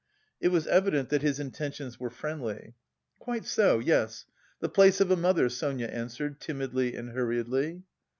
It was evident that his intentions were friendly. "Quite so, yes; the place of a mother," Sonia answered, timidly and hurriedly.